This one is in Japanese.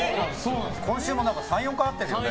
今週も３４回会ってるよね。